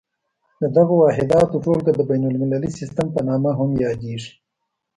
د دغو واحداتو ټولګه د بین المللي سیسټم په نامه هم یادیږي.